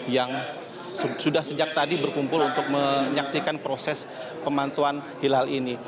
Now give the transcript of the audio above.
yang sudah sejak tadi berkumpul untuk menyaksikan proses pemantauan hilal ini